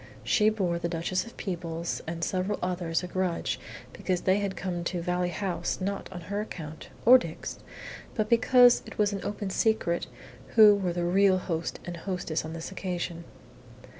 She bore the Duchess of Peebles and several others a grudge because they had come to Valley House not on her account, or Dick's, but because it was an open secret who were the real host and hostess on this occasion.